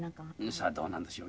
さあどうなんでしょう。